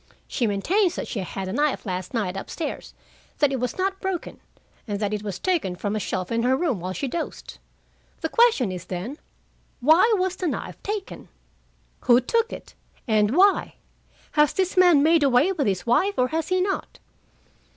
She maintains that she had the knife last night up stairs, that it was not broken, and that it was taken from a shelf in her room while she dozed. The question is, then: Why was the knife taken? Who took it? And why? Has this man made away with his wife, or has he not?"